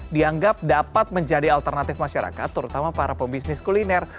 dianggap dapat menjadi alternatif masyarakat terutama para pebisnis kuliner